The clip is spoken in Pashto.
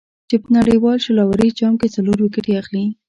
چې په یو نړیوال شل اوریز جام کې څلور ویکټې اخلي.